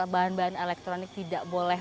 bahan bahan elektronik tidak boleh